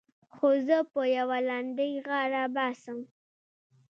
خو زه په يوه لنډۍ غاړه باسم.